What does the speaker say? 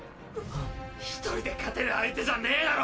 １人で勝てる相手じゃねぇだろ！